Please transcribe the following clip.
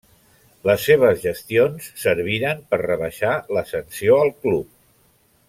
Les seves gestions serviren per rebaixar la sanció al club.